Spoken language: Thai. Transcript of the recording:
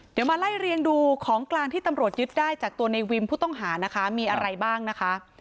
เดี๋ยวมาไล่เรียงดูของกลางที่ตำรวจยึดได้จากตัวในวิมผู้ต้องหานะคะมีอะไรบ้างนะคะ